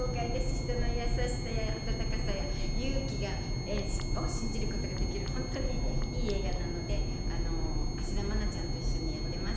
人の優しさや温かさや勇気を信じることができる、本当にいい映画なので、芦田愛菜ちゃんと一緒にやってます。